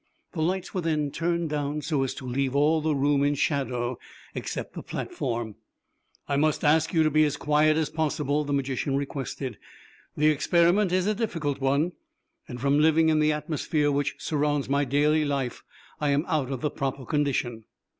The lights were then turned down so as to leave all the room in shadow except the platform. "I must ask you to be as quiet as possible," the magician requested. "The experiment is a difficult one, and from living in the atmosphere which surrounds my daily life I am out of the proper condition."